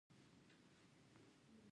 دلته د شیشې او برونزو لوښي موندل شوي